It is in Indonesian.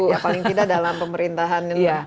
ya paling tidak dalam pemerintahan ini